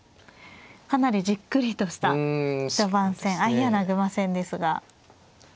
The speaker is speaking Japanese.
かなりじっくりとした序盤戦相穴熊戦ですが。